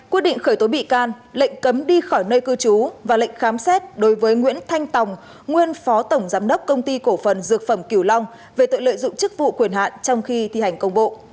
quyết định khởi tố bị can lệnh cấm đi khỏi nơi cư trú và lệnh khám xét đối với nguyễn thanh tòng nguyên phó tổng giám đốc công ty cổ phần dược phẩm kiều long về tội lợi dụng chức vụ quyền hạn trong khi thi hành công bộ